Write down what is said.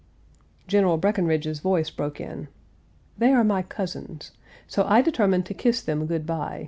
" General Breckinridge's voice broke in: "They are my cousins. So I determined to kiss them good by.